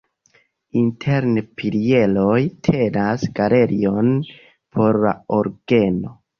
Interne pilieroj tenas galerion por la orgeno.